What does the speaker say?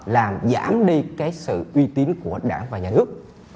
làm giảm đi cái sự uy tín của đảng và nhà nước